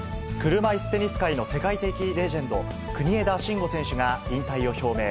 車いすテニス界の世界的レジェンド、国枝慎吾選手が引退を表明。